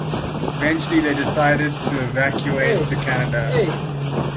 Eventually they decided to evacuate to Canada.